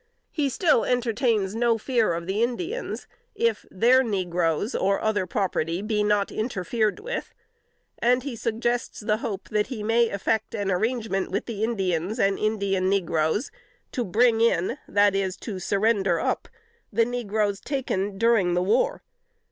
He still entertains no fear of the Indians, if their negroes or other property be not interfered with, and suggests the hope that he may effect an arrangement with the Indians and Indian negroes to bring in (that is, to surrender up,) the negroes taken during the war.